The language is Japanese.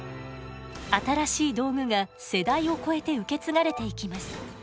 新しい道具が世代を超えて受け継がれていきます。